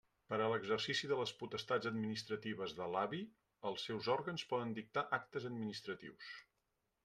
Per a l'exercici de les potestats administratives de l'AVI, els seus òrgans poden dictar actes administratius.